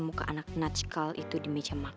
muka anak natsikal itu di meja makan